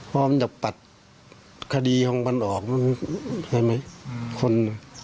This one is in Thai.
พร้อมจะปัดคดีของมันออกใช่ไหมคน